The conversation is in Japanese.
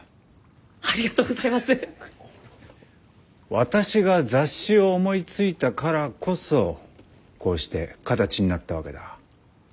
私が雑誌を思いついたからこそこうして形になったわけだ。